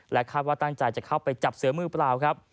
คาดว่าตั้งใจจะเข้าไปจับเสือมือเปล่าครับ